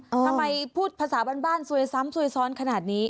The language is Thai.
ทำไมพูดภาษาบ้านซวยซ้ำซวยซ้อนขนาดนี้